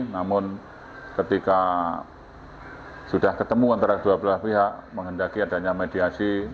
namun ketika sudah ketemu antara dua belah pihak menghendaki adanya mediasi